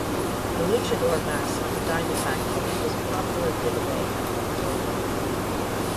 A luchador mask in Diamondback colors was a popular giveaway at one game.